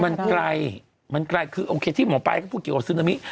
มันไกลมันไกลคือโอเคที่หมอปลายก็พูดเกี่ยวกับซึนามิ